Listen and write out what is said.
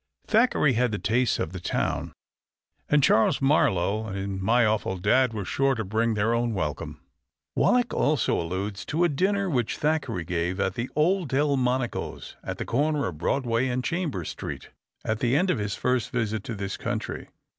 Thackeray had the tastes of the town, and Charles Marlowe and My Awful Dad were sure to bring their own welcome. Wallack also alludes to a dinner which Thackeray gave at the old Delmonico's, at the corner of Broadway and Chambers Street, at the end of his first visit to this country.